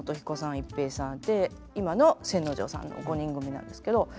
逸平さんで今の千之丞さんの５人組なんですけど。